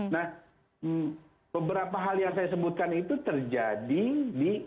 nah beberapa hal yang saya sebutkan itu terjadi di